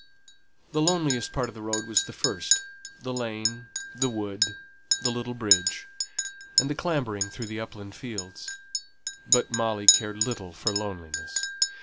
The loneliest part of the road was the first the lane, the wood, the little bridge, and the clambering through the upland fields. But Molly cared little for loneliness.